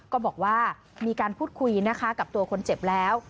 ก็บอกว่ามีการพูดคุยนะคะกับตัวคนเจ็บแล้ว